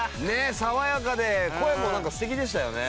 爽やかで声もなんか素敵でしたよね。